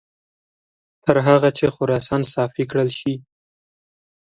تر هغه چې خراسان صافي کړل شي.